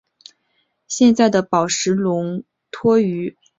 现在的宝龙罩脱胎于古典木艺品的宝笼。